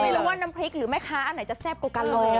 ไม่รู้ว่าน้ำพริกหรือไม่ค้าอันไหนจะแซ่บโกกะโล